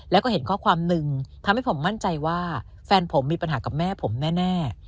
แล้วก็เห็นข้อความหนึ่งทำให้ผมมั่นใจว่าแฟนผมมีปัญหากับแม่ผมแน่